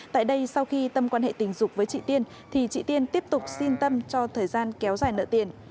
tại đây sau khi tâm quan hệ tình dục với chị tiên thì chị tiên tiếp tục xin tâm cho thời gian kéo dài nợ tiền